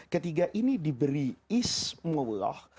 ketiga ini diberi ismullah